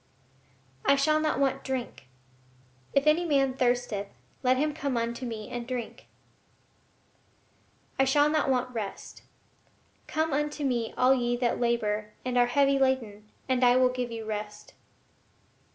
I shall not want drink. "If any man thirsteth let him come unto me and drink." I shall not want rest. "Come unto Me all ye that labor and are heavy laden, and I will give you rest."